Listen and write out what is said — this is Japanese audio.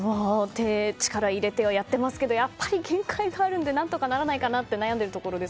力を入れてやってはいますけどやっぱり限界があるので何とかならないかなと悩んでいるところです。